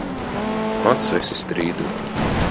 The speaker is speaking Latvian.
Pats esi strīdoņa!